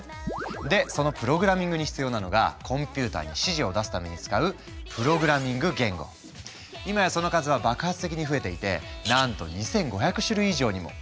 でそのプログラミングに必要なのがコンピューターに指示を出すために使う今やその数は爆発的に増えていてなんと２，５００種類以上にも。